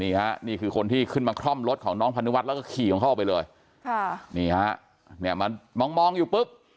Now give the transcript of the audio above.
นี่ฮะนี่คือคนที่ขึ้นมาคล่อมรถของน้องพนุวัฒน์แล้วก็ขี่ของเขาออกไปเลยค่ะนี่ฮะเนี่ยมันมองมองอยู่ปุ๊บ